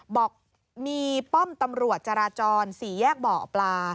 บอกมีป้อมตำรวจจาราจรศรีแยกเบาะปลา